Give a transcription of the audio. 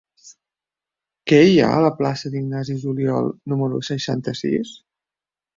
Què hi ha a la plaça d'Ignasi Juliol número seixanta-sis?